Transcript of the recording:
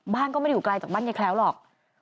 บ้านก็ไม่ได้อยู่ไกลจากบ้านยายแคล้วหรอก